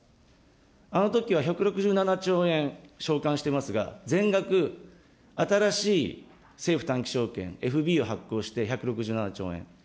あのときは１６７兆円償還してますが、全額新しい政府短期証券、ＦＢを発行して１６７兆円。